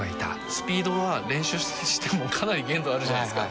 スピードは練習してもかなり限度あるじゃないですか